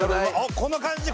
この感じ！